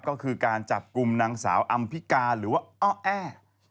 ก็คือการจับกลุ่มนางสาวอำพิการหรือว่าอ้อแอ้